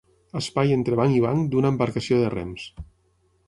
Espai entre banc i banc d'una embarcació de rems.